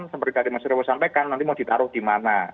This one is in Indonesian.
seperti tadi mas revo sampaikan nanti mau ditaruh di mana